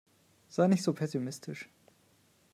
Sei nicht so pessimistisch.